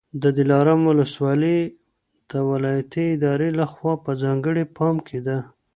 د دلارام ولسوالي د ولایتي ادارې لخوا په ځانګړي پام کي ده